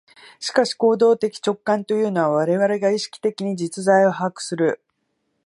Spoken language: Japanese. しかし行為的直観というのは、我々が意識的に実在を把握する、